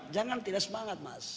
jangan tidak semangat mas